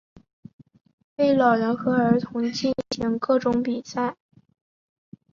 为老人和儿童进行各种比赛。